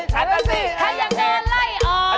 ใครอยากเดินไล่ออก